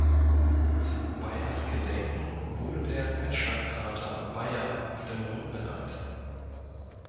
Zu Bayers Gedenken wurde der Einschlagkrater Bayer auf dem Mond benannt.